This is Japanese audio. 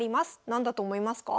何だと思いますか？